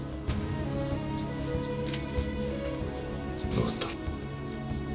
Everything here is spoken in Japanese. わかった。